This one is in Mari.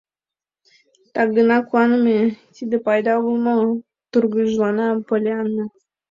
— Так гына куаныме — тиде пайда огыл мо? — тургыжлана Поллианна.